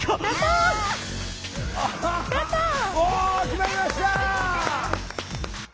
決まりました！